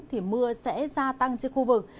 thì mưa sẽ gia tăng trên khu vực